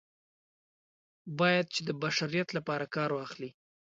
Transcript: باید چې د بشریت لپاره کار واخلي.